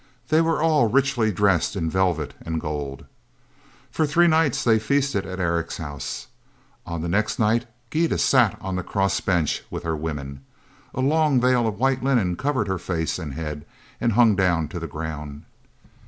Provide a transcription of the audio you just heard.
They were all richly dressed in velvet and gold. For three nights they feasted at Eric's house. On the next night Gyda sat on the cross bench with her women. A long veil of white linen covered her face and head and hung down to the ground.